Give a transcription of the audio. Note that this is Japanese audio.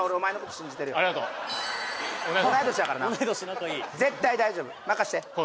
猪塚ありがとう同い年やからな絶対大丈夫任して昴